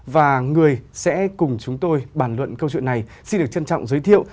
và người sẽ cùng chúng tôi bàn luận câu chuyện này xin được trân trọng giới thiệu